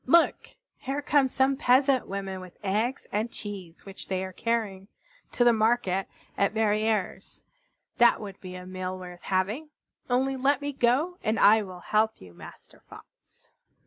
Look! Here come some peasant women with eggs and cheese which they are carrying to the market at Verrières. That would be a meal worth having! Only let me go, and I will help you, Master Fox."